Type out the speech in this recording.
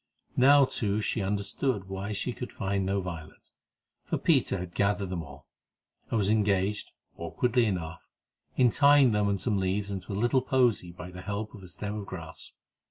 Now, too, she understood why she could find no violets, for Peter had gathered them all, and was engaged, awkwardly enough, in trying to tie them and some leaves into a little posy by the help of a stem of grass.